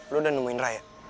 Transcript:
lo udah nemuin raya